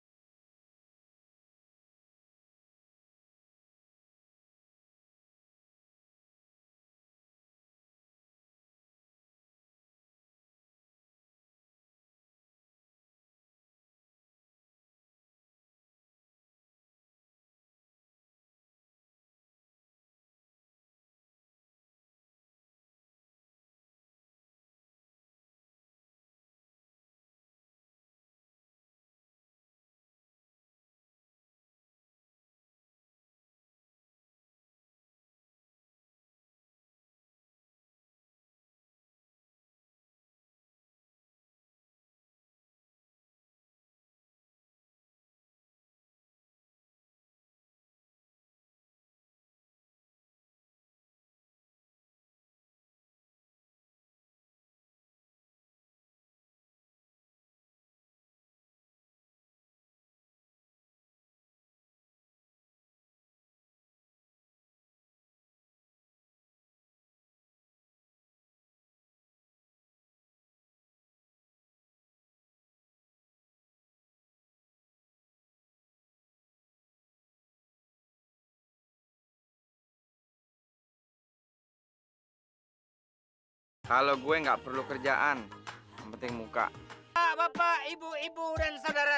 halo halo gue nggak perlu kerjaan penting muka bapak ibu ibu dan saudara